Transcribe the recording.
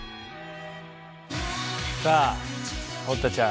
さあ堀田ちゃん